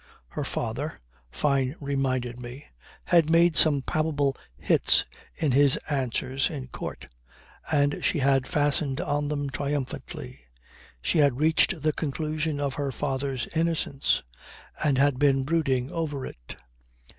Her father, Fyne reminded me, had made some palpable hits in his answers in Court, and she had fastened on them triumphantly. She had reached the conclusion of her father's innocence, and had been brooding over it.